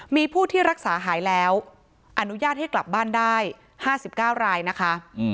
มีผู้ที่รักษาหายแล้วอนุญาตให้กลับบ้านได้๕๙รายนะคะ